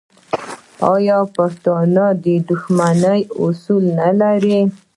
آیا پښتون د دښمنۍ اصول نلري؟